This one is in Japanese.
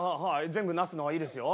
全部出すのはいいですよ。